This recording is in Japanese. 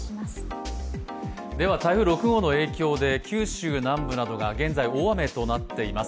台風６号の影響で九州南部などが現在、大雨となっています。